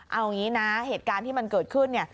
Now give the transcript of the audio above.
เอางี้นะเหตุการณ์ที่มันเกิดขึ้นเนี่ย